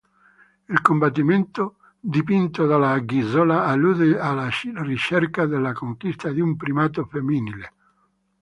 Il combattimento dipinto dalla Anguissola allude alla ricerca della conquista di un primato femminile.